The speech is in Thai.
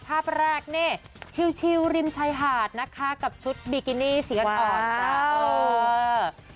ภาพแรกนี่ชิลริมชายหาดนะคะกับชุดบิกินี่สีอ่อนเจ้า